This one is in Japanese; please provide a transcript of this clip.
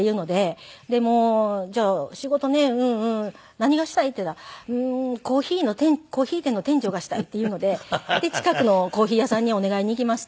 何がしたい？」って言ったら「うーんコーヒー店の店長がしたい」って言うので近くのコーヒー屋さんにお願いに行きまして。